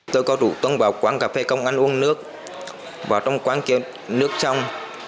tôi có đủ tông vào quán cà phê công an uống nước vào trong quán kèm nước trong